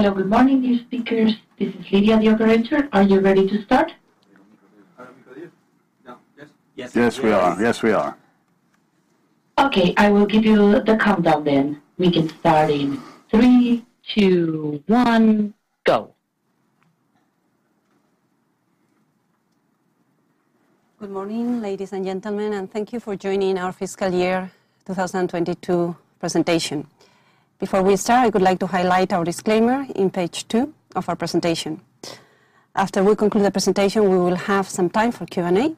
Hello. Good morning, speakers. This is Lydia, the operator. Are you ready to start? Yes, we are. Okay. I will give you the countdown then. We can start in 3, 2, 1. Go. Good morning, ladies and gentlemen, and thank you for joining our fiscal year 2022 presentation. Before we start, I would like to highlight our disclaimer in page 2 of our presentation. After we conclude the presentation, we will have some time for Q&A.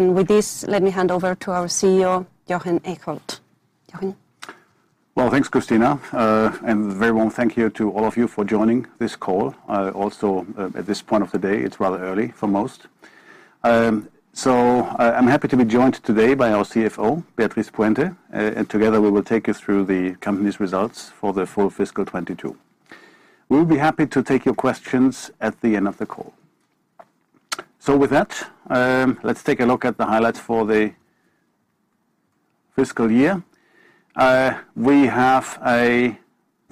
With this, let me hand over to our CEO, Jochen Eickholt. Jochen. Well, thanks, Christina. A very warm thank you to all of you for joining this call. Also, at this point of the day, it's rather early for most. I'm happy to be joined today by our CFO, Beatriz Puente, and together, we will take you through the company's results for the full fiscal 2022. We'll be happy to take your questions at the end of the call. With that, let's take a look at the highlights for the fiscal year. We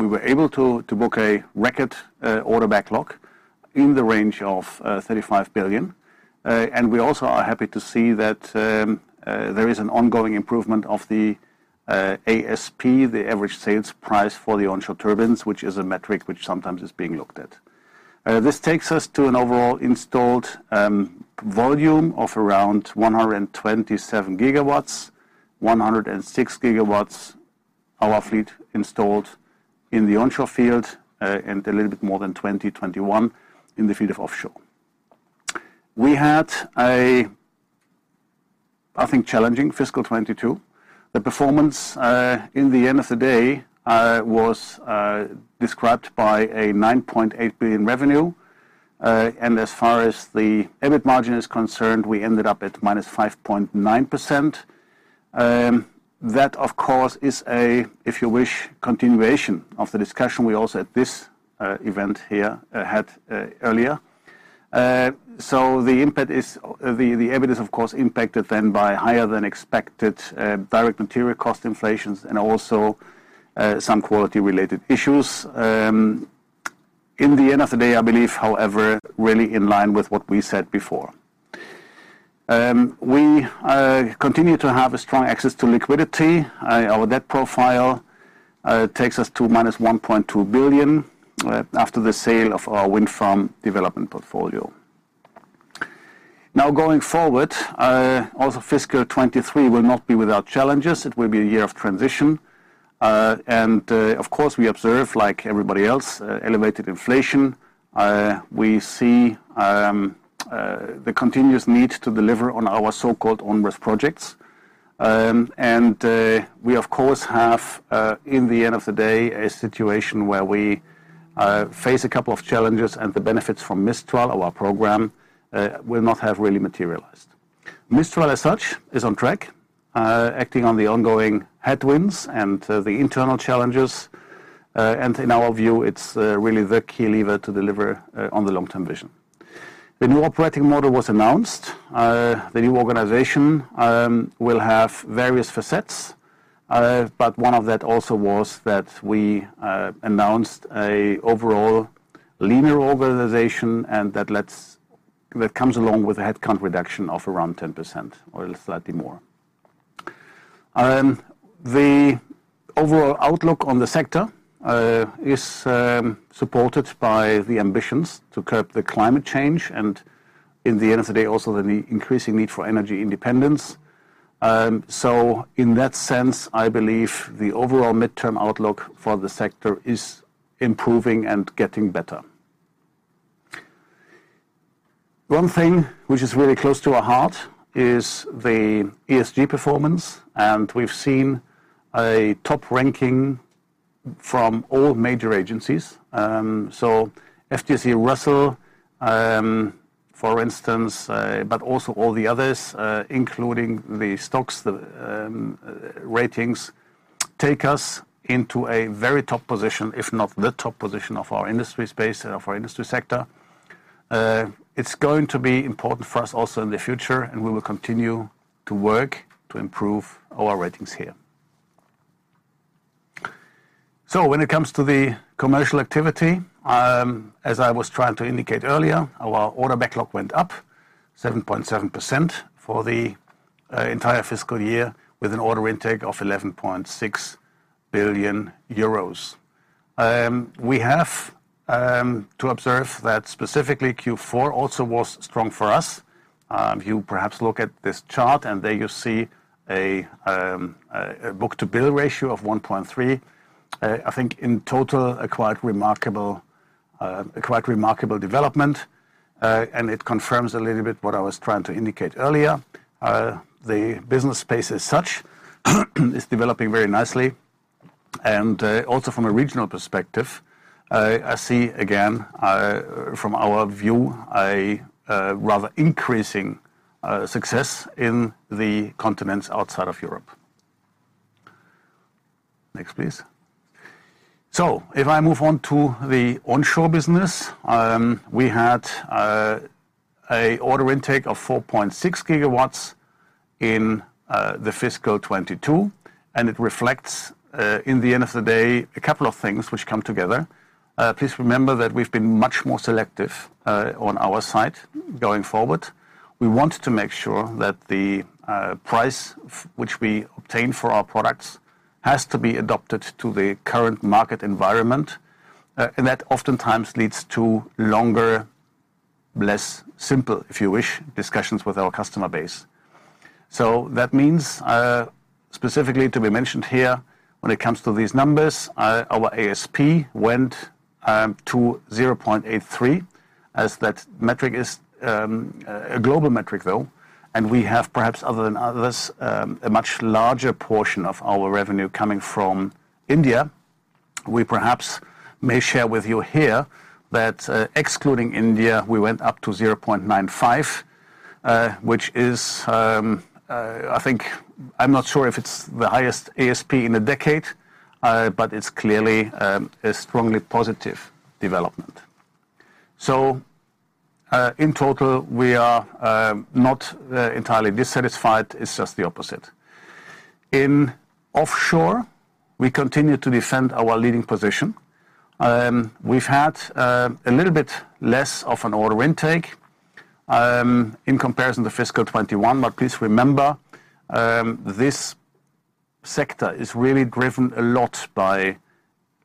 were able to book a record order backlog in the range of 35 billion. We also are happy to see that there is an ongoing improvement of the ASP, the average sales price for the onshore turbines, which is a metric which sometimes is being looked at. This takes us to an overall installed volume of around 127 gigawatts, 106 gigawatts our fleet installed in the onshore field, and a little bit more than 21 in the field of offshore. We had, I think, a challenging fiscal 2022. The performance, at the end of the day, was described by 9.8 billion revenue. As far as the EBIT margin is concerned, we ended up at -5.9%. That, of course, is, if you wish, a continuation of the discussion we also had at this event here earlier. The impact is the EBIT is, of course, impacted then by higher than expected direct material cost inflation and also some quality-related issues. At the end of the day, I believe, however, really in line with what we said before. We continue to have a strong access to liquidity. Our debt profile takes us to -1.2 billion after the sale of our wind farm development portfolio. Now going forward, also fiscal 2023 will not be without challenges. It will be a year of transition. Of course, we observe, like everybody else, elevated inflation. We see the continuous need to deliver on our so-called onshore projects. We, of course, have, at the end of the day, a situation where we face a couple of challenges and the benefits from Mistral, our program, will not have really materialized. Mistral as such is on track, acting on the ongoing headwinds and, the internal challenges. In our view, it's really the key lever to deliver on the long-term vision. The new operating model was announced. The new organization will have various facets. One of that also was that we announced a overall linear organization, and that comes along with a headcount reduction of around 10% or slightly more. The overall outlook on the sector is supported by the ambitions to curb the climate change, and in the end of the day, also the increasing need for energy independence. In that sense, I believe the overall midterm outlook for the sector is improving and getting better. One thing which is really close to our heart is the ESG performance, and we've seen a top ranking from all major agencies. FTSE Russell, for instance, but also all the others, including the stocks, the, ratings, take us into a very top position, if not the top position of our industry space, of our industry sector. It's going to be important for us also in the future, and we will continue to work to improve our ratings here. When it comes to the commercial activity, as I was trying to indicate earlier, our order backlog went up 7.7% for the entire fiscal year with an order intake of 11.6 billion euros. We have to observe that specifically Q4 also was strong for us. If you perhaps look at this chart, and there you see a book-to-bill ratio of 1.3. I think in total, a quite remarkable development, and it confirms a little bit what I was trying to indicate earlier. The business space as such is developing very nicely. Also from a regional perspective, I see again, from our view, rather increasing success in the continents outside of Europe. Next, please. If I move on to the onshore business, we had an order intake of 4.6 gigawatts. In the fiscal 2022, and it reflects, in the end of the day, a couple of things which come together. Please remember that we've been much more selective on our side going forward. We wanted to make sure that the price which we obtain for our products has to be adapted to the current market environment, and that oftentimes leads to longer, less simple, if you wish, discussions with our customer base. That means, specifically to be mentioned here, when it comes to these numbers, our ASP went to 0.83 as that metric is a global metric, though, and we have perhaps other than others a much larger portion of our revenue coming from India. We perhaps may share with you here that, excluding India, we went up to 0.95, which is, I'm not sure if it's the highest ASP in a decade, but it's clearly a strongly positive development. In total, we are not entirely dissatisfied. It's just the opposite. In offshore, we continue to defend our leading position. We've had a little bit less of an order intake in comparison to fiscal 2021. Please remember this sector is really driven a lot by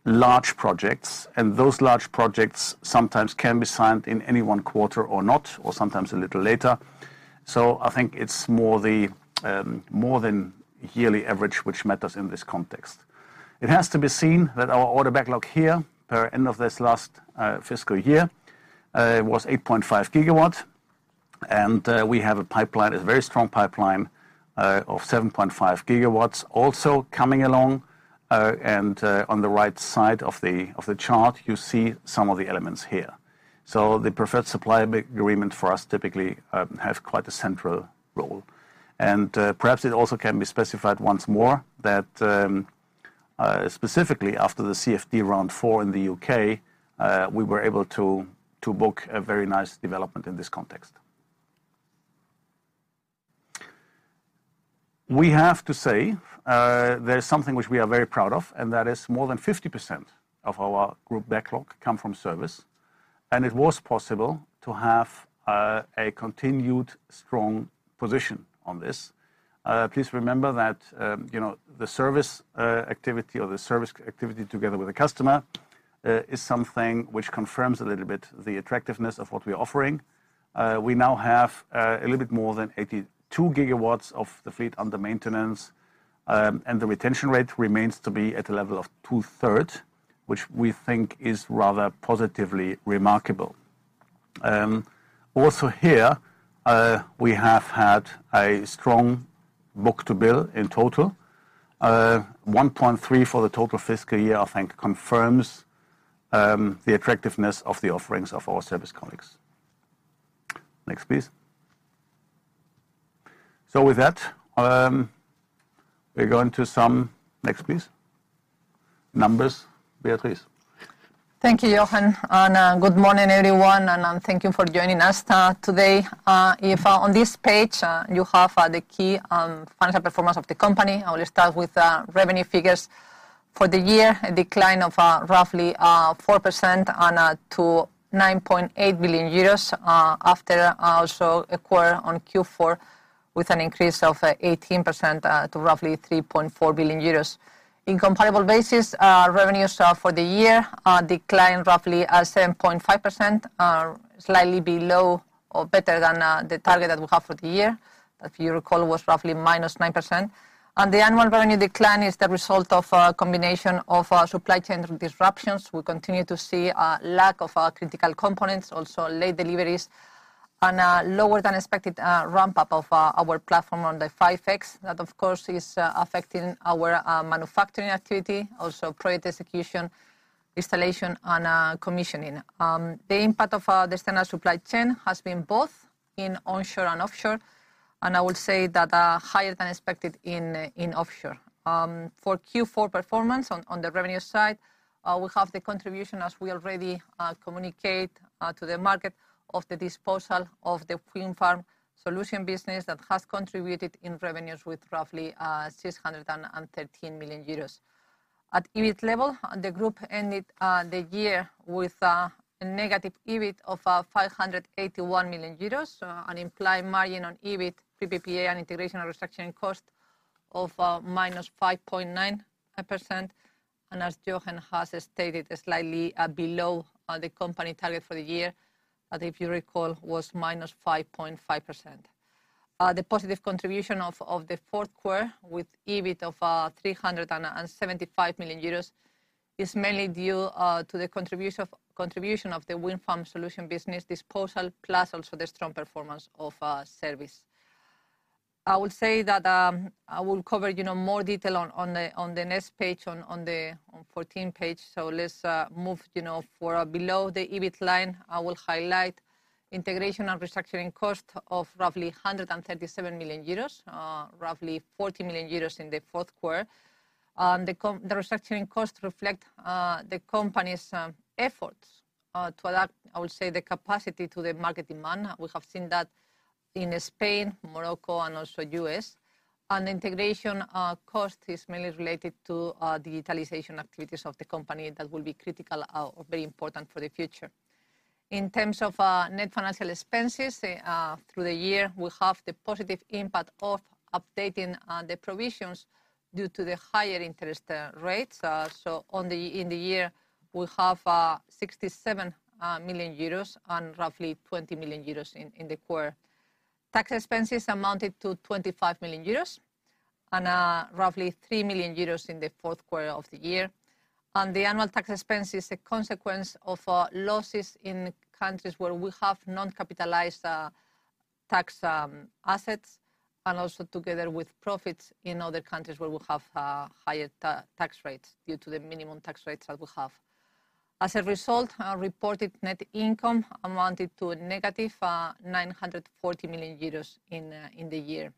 large projects, and those large projects sometimes can be signed in any one quarter or not, or sometimes a little later. I think it's more than the yearly average which matters in this context. It has to be seen that our order backlog here per end of this last fiscal year was 8.5 gigawatts. We have a pipeline, a very strong pipeline, of 7.5 gigawatts also coming along. On the right side of the chart, you see some of the elements here. The Preferred Supplier Agreement for us typically have quite a central role. Perhaps it also can be specified once more that specifically after the CfD Round 4 in the UK, we were able to to book a very nice development in this context. We have to say there is something which we are very proud of, and that is more than 50% of our group backlog come from service, and it was possible to have a continued strong position on this. Please remember that you know the service activity together with the customer is something which confirms a little bit the attractiveness of what we're offering. We now have a little bit more than 82 GW of the fleet under maintenance, and the retention rate remains to be at a level of two-thirds, which we think is rather positively remarkable. Also here, we have had a strong book-to-bill in total. 1.3 for the total fiscal year, I think confirms the attractiveness of the offerings of our service colleagues. Next, please. With that, Next, please. Numbers. Beatriz. Thank you, Jochen Eickholt, and good morning, everyone, and thank you for joining us today. If on this page, you have the key financial performance of the company. I will start with revenue figures. For the year, a decline of roughly 4% to 9.8 billion euros, after a solid Q4 with an increase of 18% to roughly 3.4 billion euros. On a comparable basis, our revenues for the year declined roughly 7.5%, slightly better than the target that we have for the year, if you recall, was roughly -9%. The annual revenue decline is the result of a combination of supply chain disruptions. We continue to see a lack of critical components, also late deliveries and lower than expected ramp-up of our platform on the 5.X. That, of course, is affecting our manufacturing activity, also project execution, installation and commissioning. The impact of the standard supply chain has been both in onshore and offshore, and I would say that higher than expected in offshore. For Q4 performance on the revenue side, we have the contribution as we already communicate to the market of the disposal of the wind farm solution business that has contributed in revenues with roughly 613 million euros. At EBIT level, the group ended the year with a negative EBIT of 581 million euros, an implied margin on EBIT, PPA and integration and restructuring cost of -5.9%. As Jochen has stated, slightly below the company target for the year, that if you recall, was -5.5%. The positive contribution of the Q4 with EBIT of 375 million euros is mainly due to the contribution of the wind farm solution business disposal, plus also the strong performance of service. I will say that I will cover more detail on the next page on the fourteenth page. Let's move, you know, to below the EBIT line. I will highlight integration and restructuring costs of roughly 137 million euros, roughly 40 million euros in the Q4. The reduction in costs reflect the company's efforts to adapt, I would say, the capacity to the market demand. We have seen that in Spain, Morocco, and also U.S. Integration costs is mainly related to digitalization activities of the company that will be critical or very important for the future. In terms of net financial expenses, through the year, we have the positive impact of updating the provisions due to the higher interest rates. In the year, we have 67 million euros and roughly 20 million euros in the quarter. Tax expenses amounted to 25 million euros and roughly 3 million euros in the Q4 of the year. The annual tax expense is a consequence of losses in countries where we have non-capitalized tax assets, and also together with profits in other countries where we have higher tax rates due to the minimum tax rates that we have. As a result, our reported net income amounted to a negative 940 million euros in the year.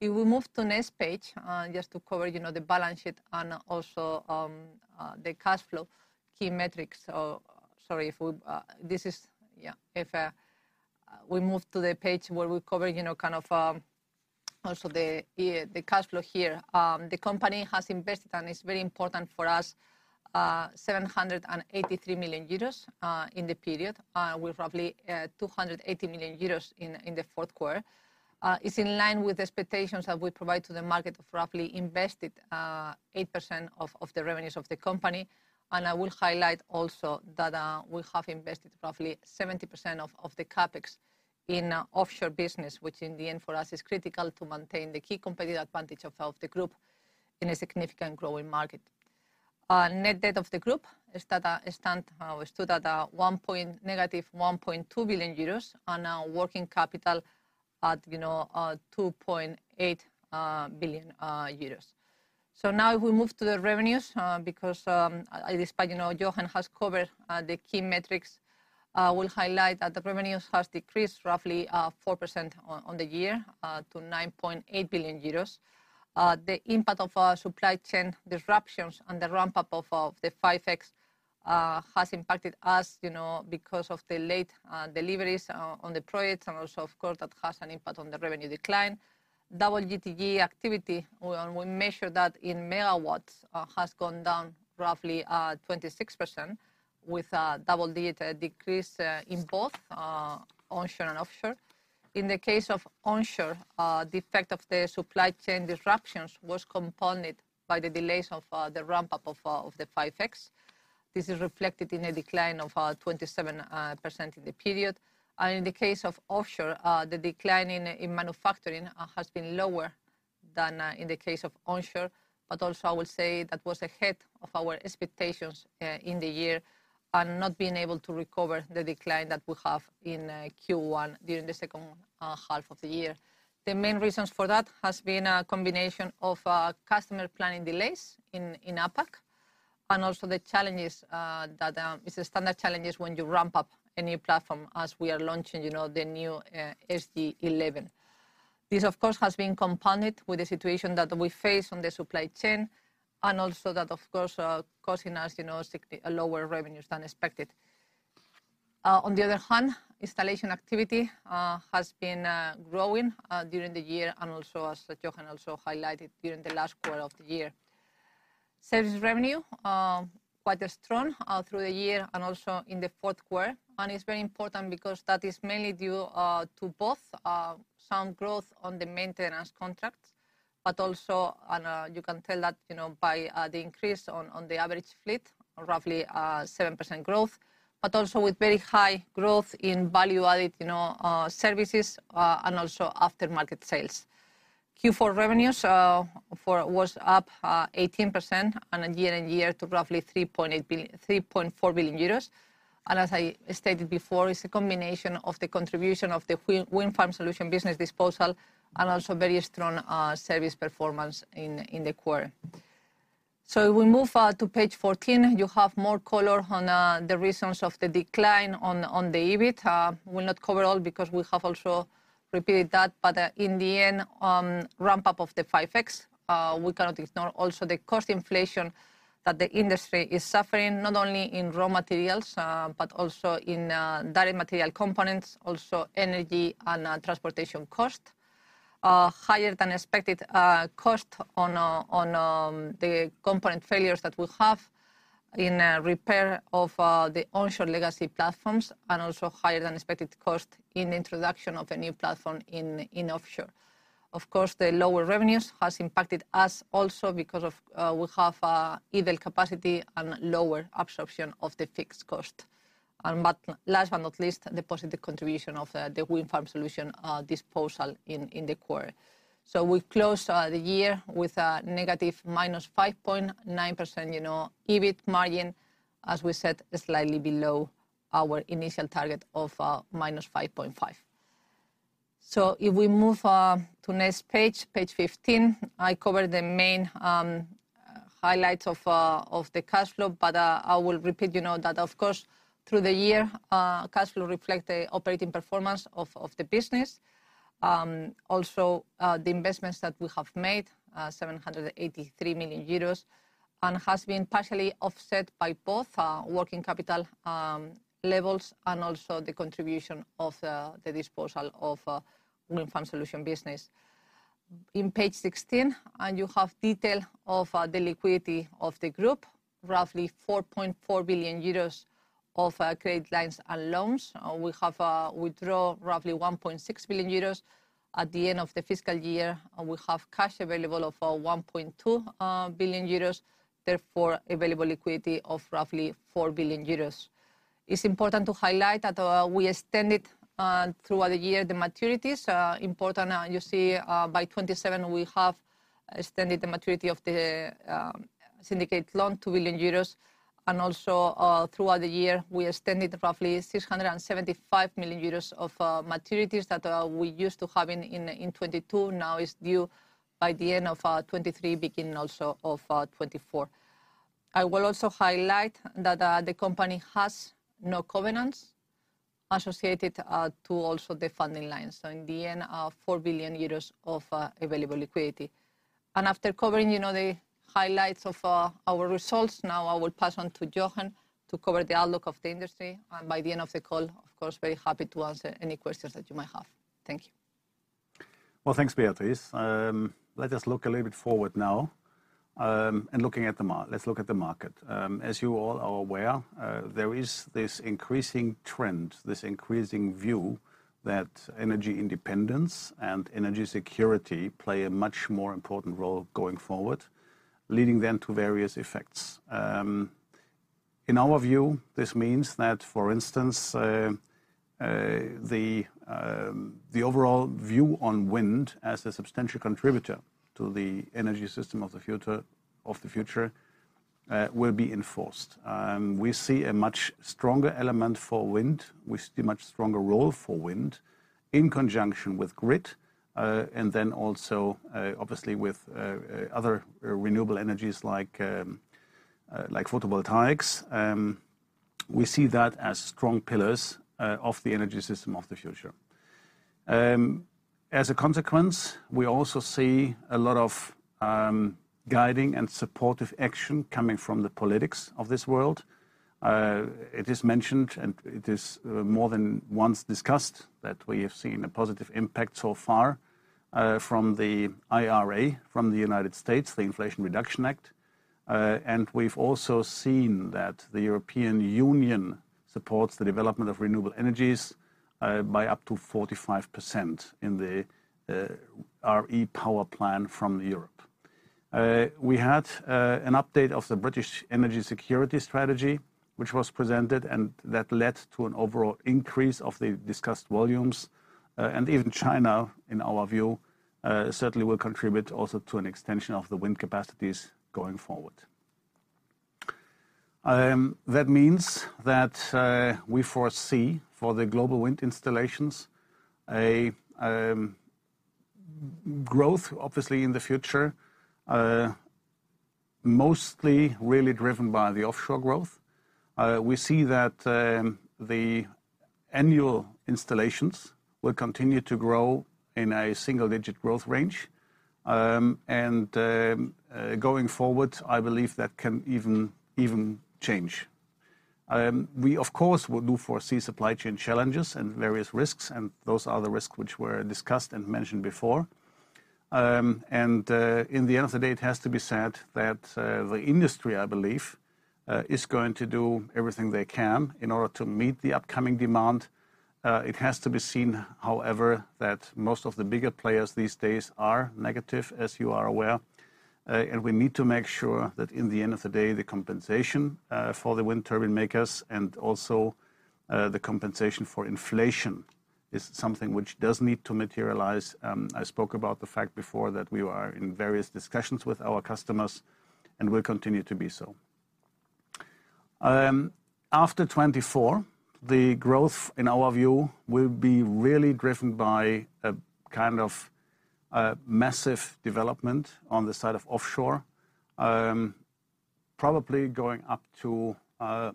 If we move to next page just to cover, you know, the balance sheet and also the cash flow key metrics. If we move to the page where we cover, you know, kind of also the year, the cash flow here. The company has invested, and it's very important for us, 783 million euros in the period, with roughly 280 million euros in the Q4. It's in line with expectations that we provide to the market of roughly invested 8% of the revenues of the company. I will highlight also that we have invested roughly 70% of the CapEx in offshore business, which in the end for us is critical to maintain the key competitive advantage of the group in a significant growing market. Net debt of the group stood at negative 1.2 billion euros and our working capital at, you know, 2.8 billion euros. Now if we move to the revenues, because, despite, you know, Jochen has covered the key metrics, will highlight that the revenues has decreased roughly 4% on the year to 9.8 billion euros. The impact of supply chain disruptions and the ramp-up of the 5X has impacted us, you know, because of the late deliveries on the projects and also of course that has an impact on the revenue decline. WTG activity, when we measure that in megawatts, has gone down roughly 26% with a double-digit decrease in both onshore and offshore. In the case of onshore, the effect of the supply chain disruptions was compounded by the delays of the ramp-up of the 5X. This is reflected in a decline of 27% in the period. In the case of offshore, the decline in manufacturing has been lower than in the case of onshore. Also I will say that was ahead of our expectations in the year and not being able to recover the decline that we have in Q1 during the H2 of the year. The main reasons for that has been a combination of customer planning delays in APAC and also the challenges that is the standard challenges when you ramp up a new platform as we are launching the new SG 11. This of course has been compounded with the situation that we face on the supply chain and also that of course causing us, you know, lower revenues than expected. On the other hand, installation activity has been growing during the year and also as Jochen Eickholt also highlighted during the last quarter of the year. Service revenue quite strong through the year and also in the Q4. It's very important because that is mainly due to both some growth on the maintenance contracts, but also, and you can tell that, you know, by the increase on the average fleet, roughly 7% growth, but also with very high growth in value-added, you know, services and also after-market sales. Q4 revenues for. was up 18% year-on-year to roughly 3.4 billion euros. As I stated before, it's a combination of the contribution of the Wind Farm Solution business disposal and also very strong service performance in the quarter. If we move to page 14, you have more color on the reasons of the decline on the EBIT. We'll not cover all because we have also repeated that. In the end, ramp-up of the 5X, we cannot ignore also the cost inflation that the industry is suffering, not only in raw materials, but also in direct material components, also energy and transportation cost. Higher than expected cost on the component failures that we have in repair of the onshore legacy platforms and also higher than expected cost in introduction of a new platform in offshore. Of course, the lower revenues has impacted us also because we have idle capacity and lower absorption of the fixed cost. Last but not least, the positive contribution of the wind farm solution disposal in the quarter. We close the year with a negative -5.9% EBIT margin, you know, as we said, slightly below our initial target of -5.5%. If we move to next page 15, I cover the main highlights of the cash flow, but I will repeat, you know, that of course through the year, cash flow reflect the operating performance of the business. Also, the investments that we have made, 783 million euros, and has been partially offset by both, working capital levels and also the contribution of the disposal of wind farm solution business. In page 16, and you have detail of the liquidity of the group, roughly 4.4 billion euros of credit lines and loans. We have withdrawn roughly 1.6 billion euros at the end of the fiscal year, and we have cash available of 1.2 billion euros, therefore available liquidity of roughly 4 billion euros. It's important to highlight that we extended throughout the year the maturities. You see, by 2027 we have extended the maturity of the syndicated loan 2 billion euros, and also, throughout the year, we extended roughly 675 million euros of maturities that we used to have in 2022, now it's due by the end of 2023, beginning also of 2024. I will also highlight that the company has no covenants associated to also the funding line. In the end, 4 billion euros of available liquidity. After covering, you know, the highlights of our results, now I will pass on to Jochen to cover the outlook of the industry. By the end of the call, of course, very happy to answer any questions that you might have. Thank you. Well, thanks, Beatriz. Let us look a little bit forward now, and let's look at the market. As you all are aware, there is this increasing trend, this increasing view that energy independence and energy security play a much more important role going forward, leading then to various effects. In our view, this means that, for instance, the overall view on wind as a substantial contributor to the energy system of the future will be enforced. We see a much stronger element for wind. We see much stronger role for wind in conjunction with grid, and then also, obviously with other renewable energies like photovoltaics. We see that as strong pillars of the energy system of the future. As a consequence, we also see a lot of guiding and supportive action coming from the politics of this world. It is mentioned, and it is more than once discussed, that we have seen a positive impact so far from the IRA from the United States, the Inflation Reduction Act. We've also seen that the European Union supports the development of renewable energies by up to 45% in the REPowerEU from Europe. We had an update of the British Energy Security Strategy, which was presented, and that led to an overall increase of the discussed volumes. Even China, in our view, certainly will contribute also to an extension of the wind capacities going forward. That means that we foresee for the global wind installations a growth, obviously, in the future, mostly really driven by the offshore growth. We see that the annual installations will continue to grow in a single-digit growth range. Going forward, I believe that can even change. We of course do foresee supply chain challenges and various risks, and those are the risks which were discussed and mentioned before. At the end of the day, it has to be said that the industry, I believe, is going to do everything they can in order to meet the upcoming demand. It has to be seen, however, that most of the bigger players these days are negative, as you are aware. We need to make sure that in the end of the day, the compensation for the wind turbine makers and also the compensation for inflation is something which does need to materialize. I spoke about the fact before that we are in various discussions with our customers and will continue to be so. After 2024, the growth in our view will be really driven by a kind of a massive development on the side of offshore, probably going up to,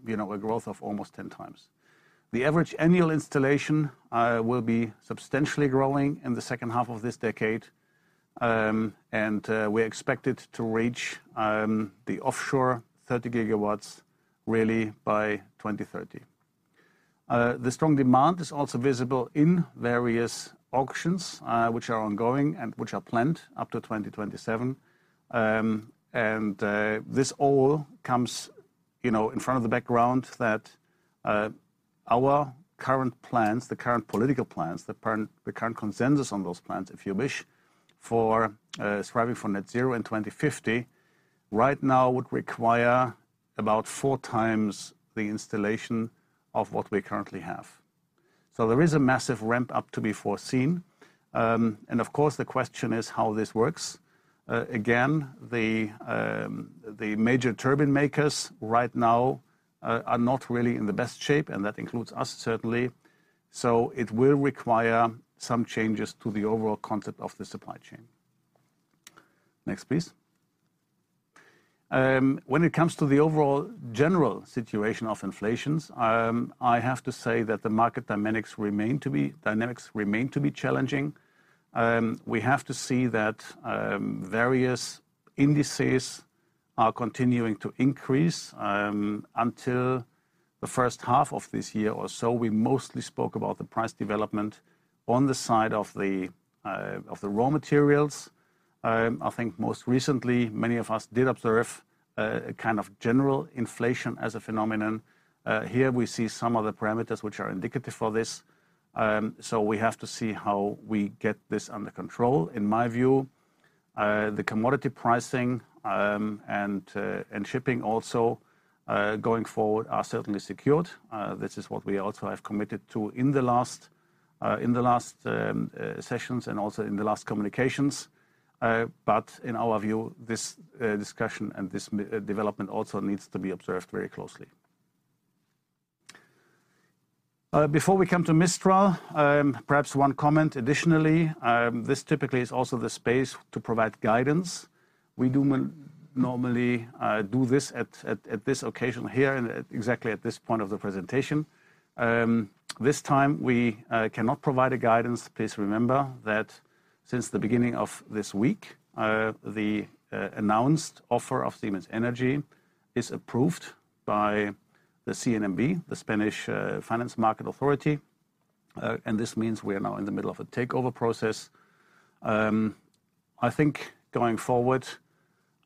you know, a growth of almost 10 times. The average annual installation will be substantially growing in the H2 of this decade, and we're expected to reach the offshore 30 gigawatts really by 2030. The strong demand is also visible in various auctions, which are ongoing and which are planned up to 2027. This all comes, you know, in front of the background that our current plans, the current political plans, the current consensus on those plans, if you wish, for striving for net zero in 2050 right now would require about 4 times the installation of what we currently have. There is a massive ramp-up to be foreseen. Of course, the question is how this works. Again, the major turbine makers right now are not really in the best shape, and that includes us, certainly. It will require some changes to the overall concept of the supply chain. Next, please. When it comes to the overall general situation of inflation, I have to say that the market dynamics remain to be challenging. We have to see that various indices are continuing to increase until the H1 of this year or so. We mostly spoke about the price development on the side of the raw materials. I think most recently many of us did observe a kind of general inflation as a phenomenon. Here we see some of the parameters which are indicative for this. We have to see how we get this under control. In my view, the commodity pricing and shipping also going forward are certainly secured. This is what we also have committed to in the last sessions and also in the last communications. In our view, this discussion and this development also needs to be observed very closely. Before we come to Mistral, perhaps one comment additionally. This typically is also the space to provide guidance. We normally do this at this occasion here and at exactly this point of the presentation. This time we cannot provide a guidance. Please remember that since the beginning of this week, the announced offer of Siemens Energy is approved by the CNMV, the Spanish financial market authority. This means we are now in the middle of a takeover process. I think going forward,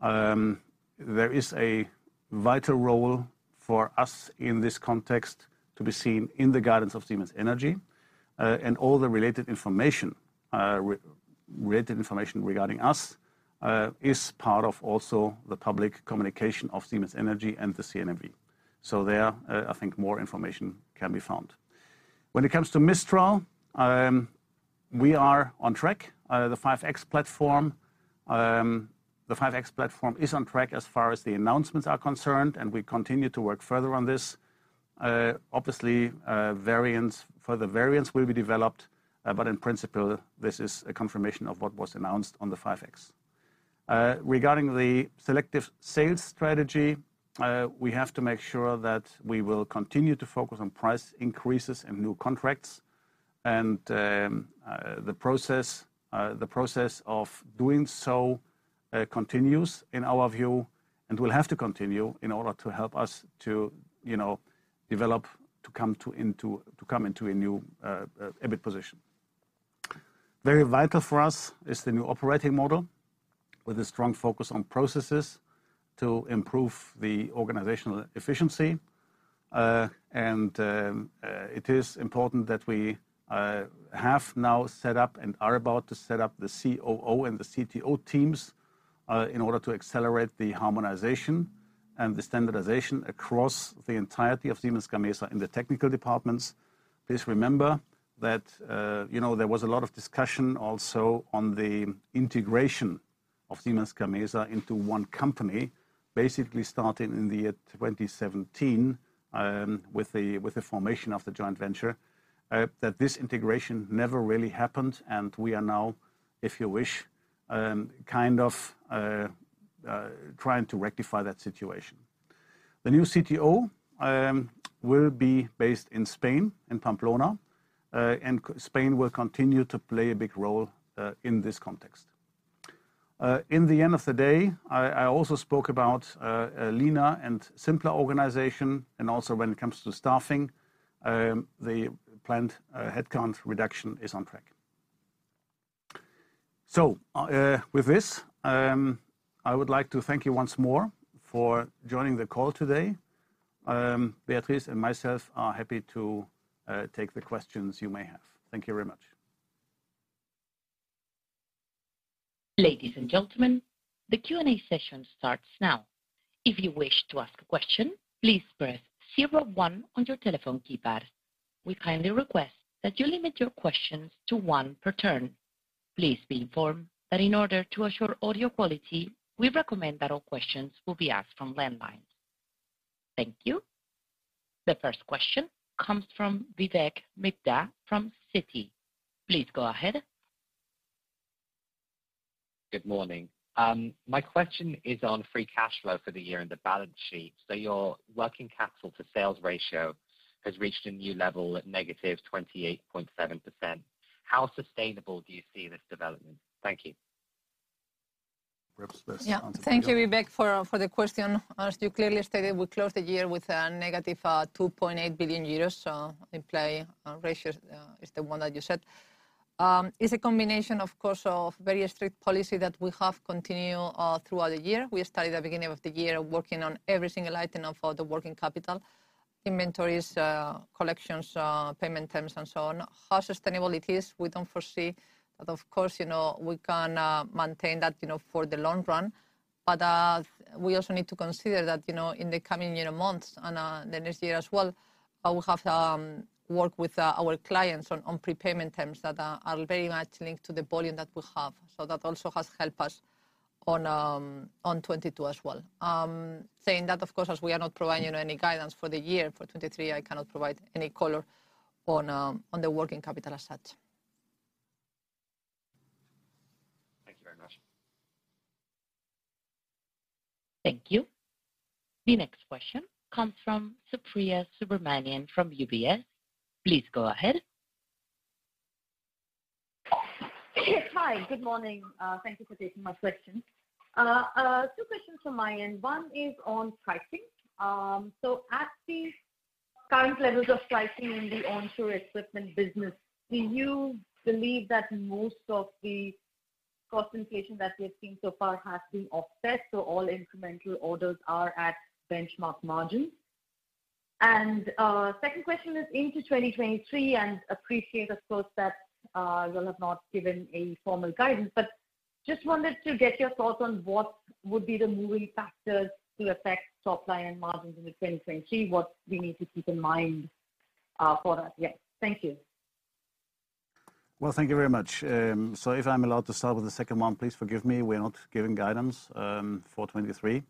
there is a vital role for us in this context to be seen in the guidance of Siemens Energy. All the related information regarding us is part of also the public communication of Siemens Energy and the CNMV. There, I think more information can be found. When it comes to Mistral, we are on track. The 5X platform is on track as far as the announcements are concerned, and we continue to work further on this. Obviously, further variants will be developed. But in principle, this is a confirmation of what was announced on the 5X. Regarding the selective sales strategy, we have to make sure that we will continue to focus on price increases and new contracts. The process of doing so continues in our view and will have to continue in order to help us, you know, develop to come into a new EBIT position. Very vital for us is the new operating model with a strong focus on processes to improve the organizational efficiency. It is important that we have now set up and are about to set up the COO and the CTO teams in order to accelerate the harmonization and the standardization across the entirety of Siemens Gamesa in the technical departments. Please remember that you know there was a lot of discussion also on the integration of Siemens Gamesa into one company, basically starting in the 2017 with the formation of the joint venture. That this integration never really happened, and we are now, if you wish, kind of trying to rectify that situation. The new CTO will be based in Spain, in Pamplona. Spain will continue to play a big role in this context. In the end of the day, I also spoke about a leaner and simpler organization. Also when it comes to staffing, the planned headcount reduction is on track. With this, I would like to thank you once more for joining the call today. Beatriz and myself are happy to take the questions you may have. Thank you very much. Ladies and gentlemen, the Q&A session starts now. If you wish to ask a question, please press zero one on your telephone keypad. We kindly request that you limit your questions to one per turn. Please be informed that in order to assure audio quality, we recommend that all questions will be asked from landlines. Thank you. The first question comes from Vivek Midha from Citi. Please go ahead. Good morning. My question is on free cash flow for the year and the balance sheet. Your working capital to sales ratio has reached a new level at negative 28.7%. How sustainable do you see this development? Thank you. Beatriz, this one's for you. Yeah. Thank you, Vivek, for the question. As you clearly stated, we closed the year with a negative 2.8 billion euros. So implied ratio is the one that you said. It's a combination, of course, of very strict policy that we have continued throughout the year. We started at the beginning of the year working on every single item for the working capital, inventories, collections, payment terms, and so on. How sustainable it is, we don't foresee that, of course, you know, we can maintain that, you know, for the long run. But we also need to consider that, you know, in the coming months and the next year as well, we have worked with our clients on prepayment terms that are very much linked to the volume that we have. That also has helped us on 2022 as well. Saying that, of course, as we are not providing any guidance for the year for 2023, I cannot provide any color on the working capital as such. Thank you very much. Thank you. The next question comes from Supriya Subramanian from UBS. Please go ahead. Hi. Good morning. Thank you for taking my question. Two questions from my end. One is on pricing. So at the current levels of pricing in the onshore equipment business, do you believe that most of the cost inflation that we have seen so far has been offset, so all incremental orders are at benchmark margin? Second question is into 2023, and I appreciate, of course, that you have not given any formal guidance. But just wanted to get your thoughts on what would be the moving factors to affect top line margins into 2023, what we need to keep in mind for that year. Thank you. Well, thank you very much. If I'm allowed to start with the second one, please forgive me. We're not giving guidance for 2023.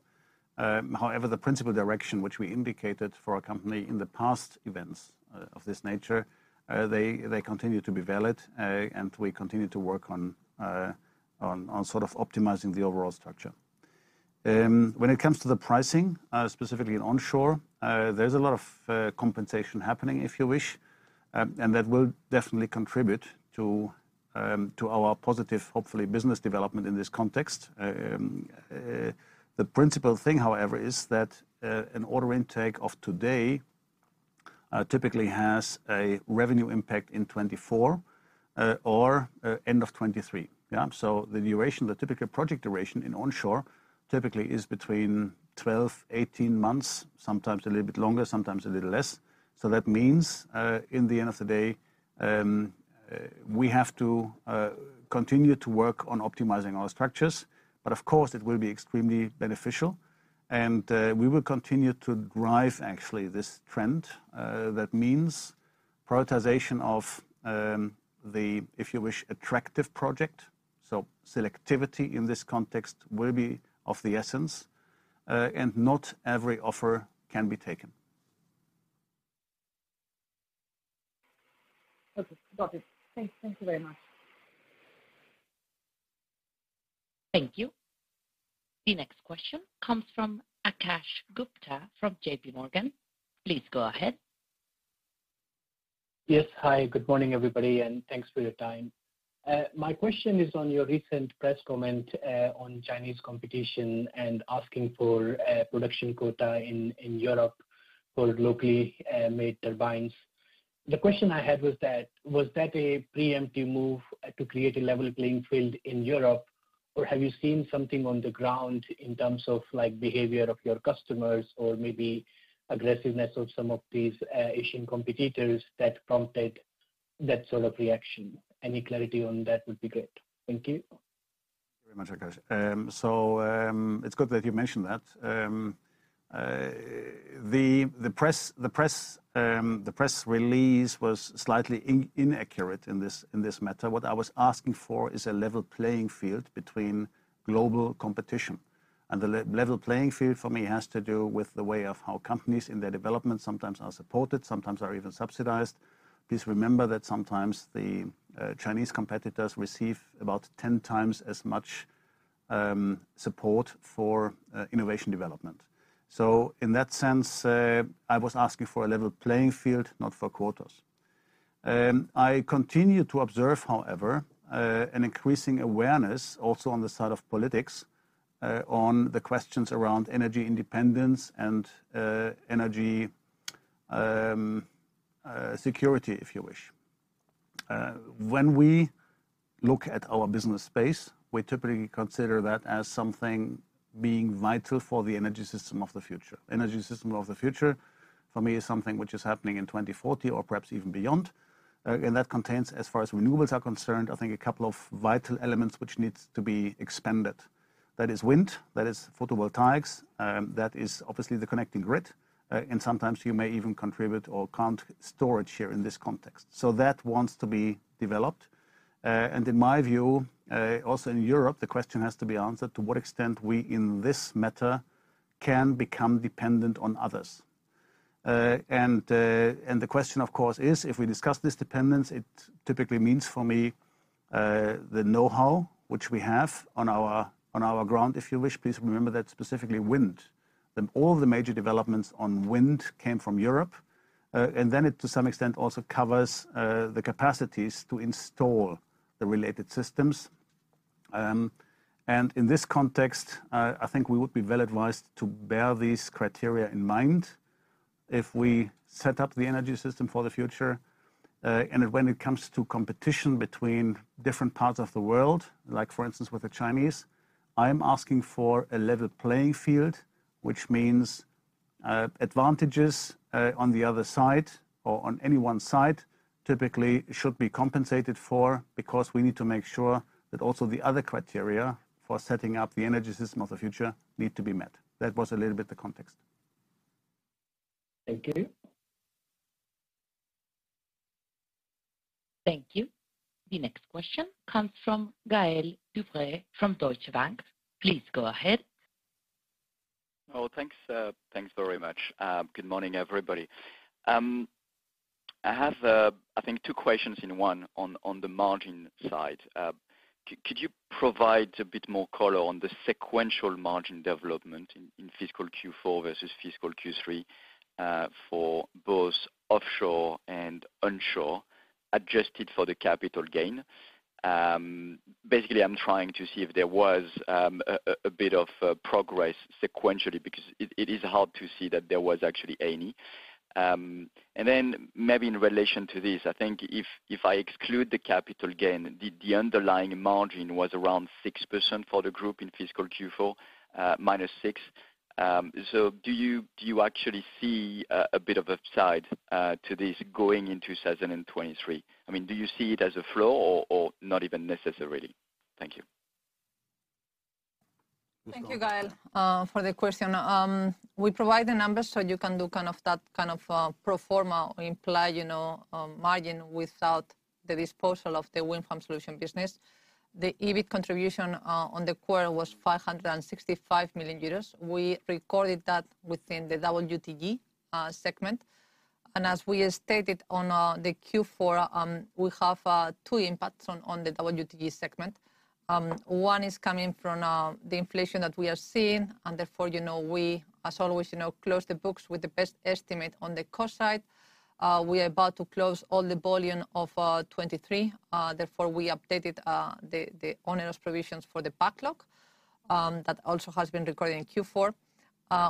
However, the principal direction which we indicated for our company in the past events of this nature, they continue to be valid, and we continue to work on optimizing the overall structure. When it comes to the pricing, specifically in onshore, there's a lot of compensation happening, if you wish. That will definitely contribute to our positive, hopefully, business development in this context. The principal thing, however, is that an order intake of today typically has a revenue impact in 2024 or end of 2023. Yeah? The duration, the typical project duration in onshore typically is between 12 to 18 months, sometimes a little bit longer, sometimes a little less. That means, in the end of the day, we have to continue to work on optimizing our structures. Of course it will be extremely beneficial. We will continue to drive, actually, this trend. That means prioritization of the, if you wish, attractive project. Selectivity in this context will be of the essence, and not every offer can be taken. Okay. Got it. Thank you very much. Thank you. The next question comes from Akash Gupta from J.P. Morgan. Please go ahead. Yes. Hi. Good morning, everybody, and thanks for your time. My question is on your recent press comment on Chinese competition and asking for a production quota in Europe for locally made turbines. The question I had was that, was that a preemptive move to create a level playing field in Europe? Or have you seen something on the ground in terms of, like, behavior of your customers or maybe aggressiveness of some of these Asian competitors that prompted that sort of reaction? Any clarity on that would be great. Thank you. Very much, Akash. It's good that you mentioned that. The press release was slightly inaccurate in this matter. What I was asking for is a level playing field between global competition. The level playing field for me has to do with the way of how companies in their development sometimes are supported, sometimes are even subsidized. Please remember that sometimes the Chinese competitors receive about 10 times as much support for innovation development. In that sense, I was asking for a level playing field, not for quotas. I continue to observe, however, an increasing awareness also on the side of politics on the questions around energy independence and energy security, if you wish. When we look at our business space, we typically consider that as something being vital for the energy system of the future. Energy system of the future for me is something which is happening in 2040 or perhaps even beyond. That contains, as far as renewables are concerned, I think a couple of vital elements which needs to be expanded. That is wind, that is photovoltaics, that is obviously the connecting grid. Sometimes you may even contribute or count storage here in this context. That wants to be developed. In my view, also in Europe, the question has to be answered to what extent we in this matter can become dependent on others. The question of course is, if we discuss this dependence, it typically means for me, the know-how which we have on our ground, if you wish. Please remember that specifically wind. All the major developments on wind came from Europe. It to some extent also covers the capacities to install the related systems. In this context, I think we would be well advised to bear these criteria in mind if we set up the energy system for the future. when it comes to competition between different parts of the world, like for instance with the Chinese, I'm asking for a level playing field, which means, advantages, on the other side or on any one side typically should be compensated for because we need to make sure that also the other criteria for setting up the energy system of the future need to be met. That was a little bit the context. Thank you. Thank you. The next question comes from Gael Dubreuil from Deutsche Bank. Please go ahead. Oh, thanks very much. Good morning, everybody. I have, I think two questions in one on the margin side. Could you provide a bit more color on the sequential margin development in fiscal Q4 versus fiscal Q3 for both offshore and onshore, adjusted for the capital gain? Basically I'm trying to see if there was a bit of progress sequentially, because it is hard to see that there was actually any. Maybe in relation to this, I think if I exclude the capital gain, the underlying margin was around -6% for the group in fiscal Q4. Do you actually see a bit of upside to this going in 2023? I mean, do you see it as a flow or not even necessarily? Thank you. Thank you Gael, for the question. We provide the numbers so you can do kind of that kind of pro forma implied, you know, margin without the disposal of the wind farm solution business. The EBIT contribution on the quarter was 565 million euros. We recorded that within the WTG segment. As we stated on the Q4, we have two impacts on the WTG segment. One is coming from the inflation that we are seeing, and therefore, you know, we as always, you know, close the books with the best estimate on the cost side. We are about to close all the volume of 2023. Therefore, we updated the onerous provisions for the backlog that also has been recorded in Q4.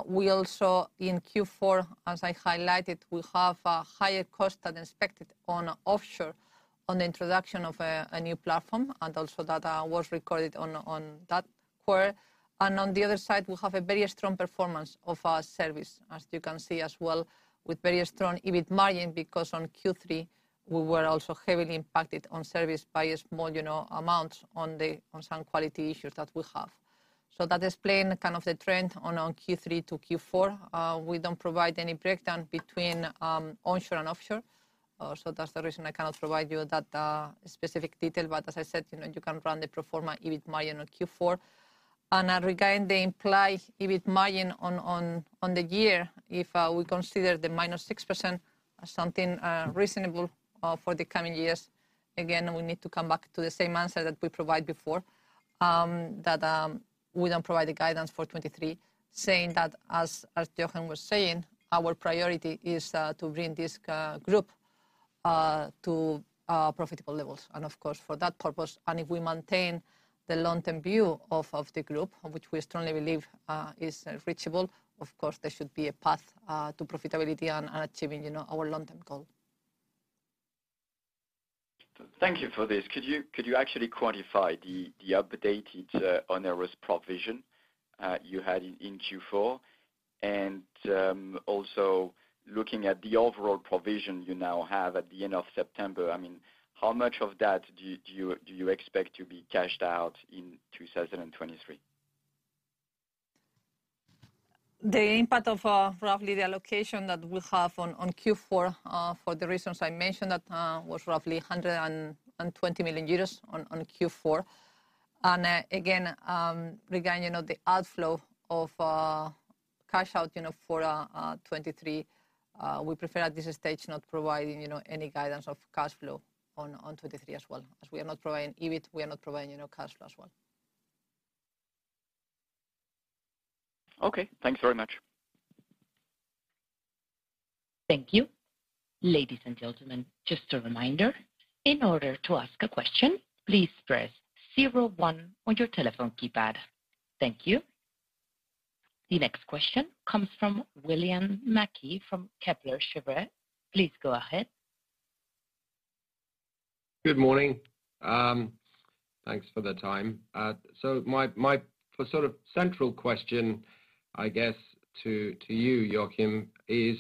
We also in Q4, as I highlighted, we have a higher cost than expected on offshore on the introduction of a new platform, and also that was recorded on that quarter. On the other side, we have a very strong performance of our service, as you can see as well, with very strong EBIT margin, because on Q3 we were also heavily impacted on service by a small, you know, amount on some quality issues that we have. That explain kind of the trend on Q3 to Q4. We don't provide any breakdown between onshore and offshore. That's the reason I cannot provide you that specific detail. As I said, you know, you can run the pro forma EBIT margin on Q4. Regarding the implied EBIT margin on the year, if we consider the -6% something reasonable for the coming years, again, we need to come back to the same answer that we provide before. That we don't provide the guidance for 2023, saying that as Jochen was saying, our priority is to bring this group to profitable levels. Of course, for that purpose, and if we maintain the long-term view of the group, which we strongly believe is reachable, of course, there should be a path to profitability and achieving, you know, our long-term goal. Thank you for this. Could you actually quantify the updated onerous provision you had in Q4? Also looking at the overall provision you now have at the end of September, I mean, how much of that do you expect to be cashed out in 2023? The impact of roughly the allocation that we have on Q4 for the reasons I mentioned, that was roughly 120 million euros on Q4. Again, regarding you know the outflow of cash for 2023, we prefer at this stage not providing you know any guidance of cash flow on 2023 as well. As we are not providing EBIT, we are not providing you know cash flow as well. Okay. Thanks very much. Thank you. Ladies and gentlemen, just a reminder, in order to ask a question, please press zero one on your telephone keypad. Thank you. The next question comes from William Mackie from Kepler Cheuvreux. Please go ahead. Good morning. Thanks for the time. My sort of central question, I guess, to you, Jochen, is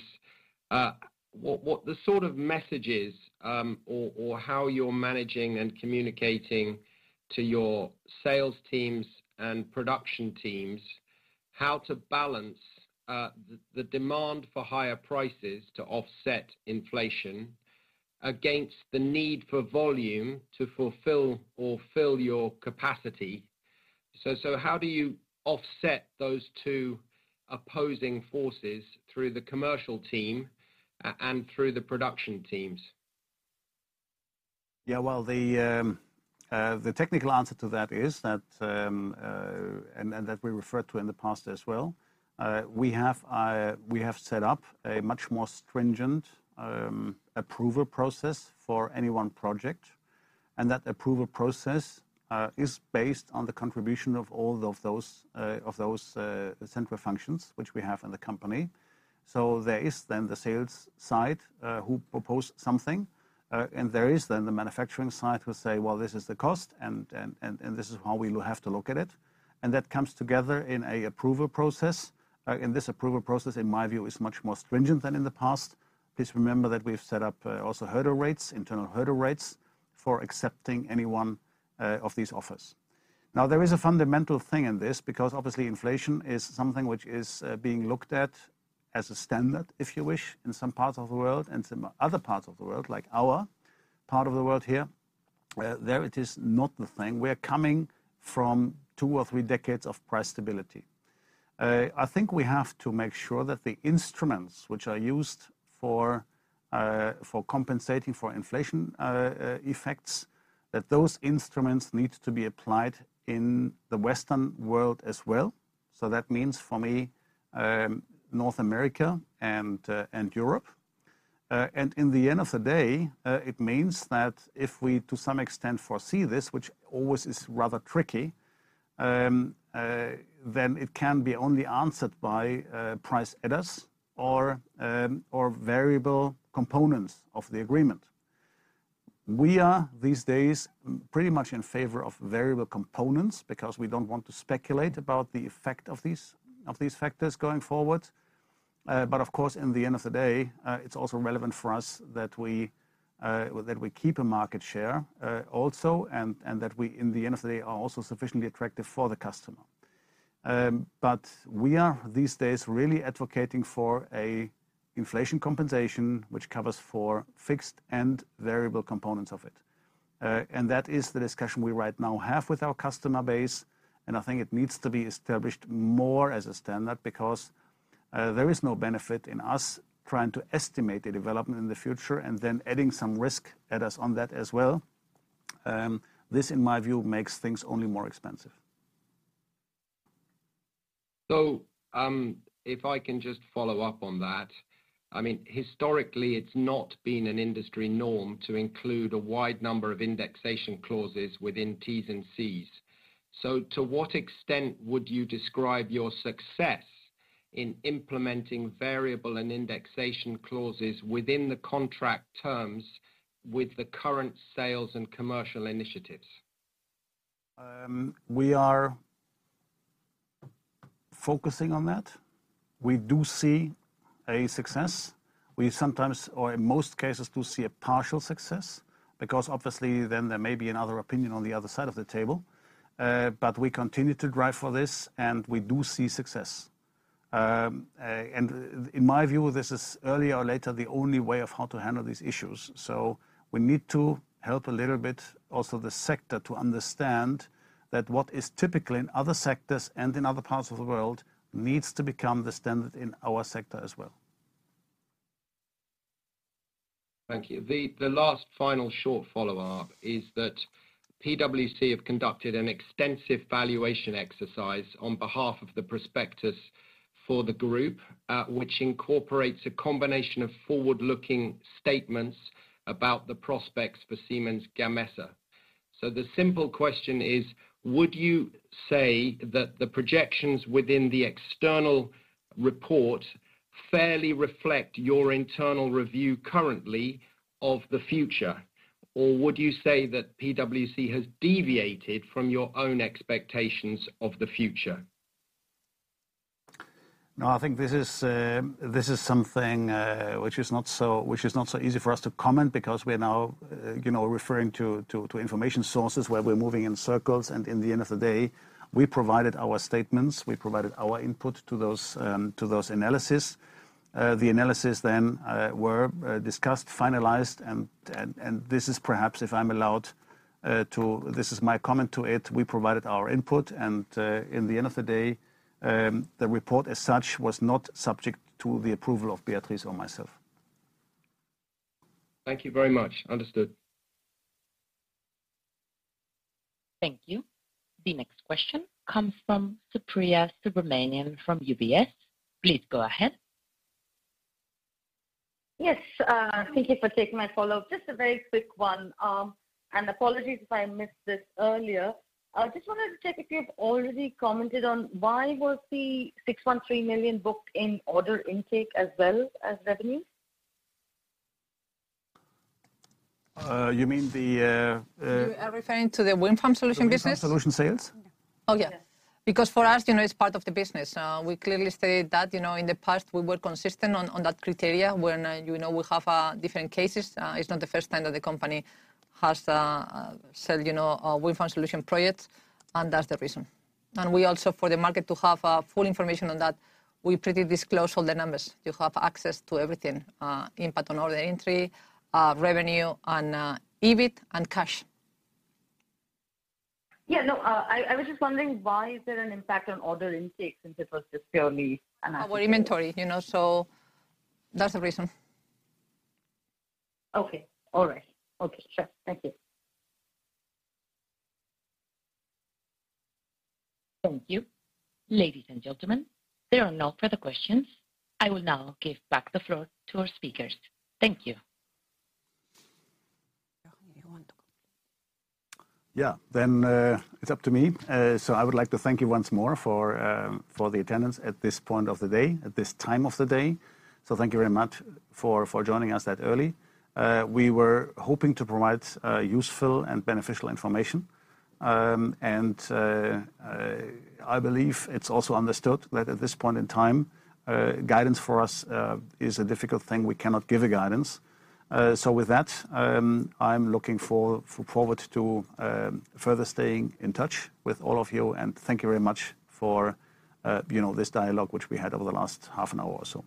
what the sort of messages or how you're managing and communicating to your sales teams and production teams, how to balance the demand for higher prices to offset inflation against the need for volume to fulfill or fill your capacity. How do you offset those two opposing forces through the commercial team and through the production teams? Yeah. Well, the technical answer to that is that we referred to in the past as well. We have set up a much more stringent approval process for any one project. That approval process is based on the contribution of all of those central functions which we have in the company. There is then the sales side who propose something. And there is then the manufacturing side will say, "Well, this is the cost and this is how we will have to look at it." That comes together in an approval process. This approval process, in my view, is much more stringent than in the past. Please remember that we've set up also hurdle rates, internal hurdle rates for accepting any one of these offers. Now, there is a fundamental thing in this because obviously inflation is something which is being looked at as a standard, if you wish, in some parts of the world and some other parts of the world, like our part of the world here. Well, there it is not the thing. We are coming from two or three decades of price stability. I think we have to make sure that the instruments which are used for compensating for inflation effects, that those instruments need to be applied in the Western world as well. That means for me North America and Europe. In the end of the day, it means that if we to some extent foresee this, which always is rather tricky, then it can be only answered by price adders or variable components of the agreement. We are, these days, pretty much in favor of variable components because we don't want to speculate about the effect of these factors going forward. Of course, in the end of the day, it's also relevant for us that we keep a market share also and that we in the end of the day are also sufficiently attractive for the customer. We are, these days, really advocating for an inflation compensation which covers for fixed and variable components of it. That is the discussion we right now have with our customer base, and I think it needs to be established more as a standard because there is no benefit in us trying to estimate the development in the future and then adding some risk adders on that as well. This, in my view, makes things only more expensive. If I can just follow up on that. I mean, historically, it's not been an industry norm to include a wide number of indexation clauses within Ts and Cs. To what extent would you describe your success in implementing variable and indexation clauses within the contract terms with the current sales and commercial initiatives? We are focusing on that. We do see a success. We sometimes, or in most cases, do see a partial success because obviously then there may be another opinion on the other side of the table. We continue to drive for this, and we do see success. In my view, this is earlier or later, the only way of how to handle these issues. We need to help a little bit also the sector to understand that what is typical in other sectors and in other parts of the world needs to become the standard in our sector as well. Thank you. The last final short follow-up is that PwC have conducted an extensive valuation exercise on behalf of the prospectus for the group, which incorporates a combination of forward-looking statements about the prospects for Siemens Gamesa. The simple question is: Would you say that the projections within the external report fairly reflect your internal review currently of the future? Or would you say that PwC has deviated from your own expectations of the future? No, I think this is something which is not so easy for us to comment because we're now, you know, referring to information sources where we're moving in circles. In the end of the day, we provided our statements, we provided our input to those analysis. The analysis then were discussed, finalized, and this is perhaps if I'm allowed, this is my comment to it. We provided our input and in the end of the day, the report as such was not subject to the approval of Beatriz or myself. Thank you very much. Understood. Thank you. The next question comes from Supriya Subramanian from UBS. Please go ahead. Yes. Thank you for taking my follow-up. Just a very quick one. Apologies if I missed this earlier. I just wanted to check if you've already commented on why was the 613 million booked in order intake as well as revenue? You mean the You are referring to the wind farm solution business? Wind farm solution sales. Yeah. Because for us, you know, it's part of the business. We clearly state that, you know, in the past we were consistent on that criteria when, you know, we have different cases. It's not the first time that the company has sold, you know, a wind farm solution project, and that's the reason. We also for the market to have full information on that. We provide all the numbers. You have access to everything, impact on order entry, revenue on EBIT and cash. Yeah. No. I was just wondering why is there an impact on order intake since it was just purely an- Our inventory, you know, so that's the reason. Okay. All right. Okay. Sure. Thank you. Thank you. Ladies and gentlemen, there are no further questions. I will now give back the floor to our speakers. Thank you. Jochen, you want to go? Yeah. It's up to me. I would like to thank you once more for the attendance at this point of the day, at this time of the day. Thank you very much for joining us that early. We were hoping to provide useful and beneficial information. I believe it's also understood that at this point in time, guidance for us is a difficult thing. We cannot give a guidance. With that, I'm looking forward to further staying in touch with all of you. Thank you very much for you know, this dialogue, which we had over the last half an hour or so.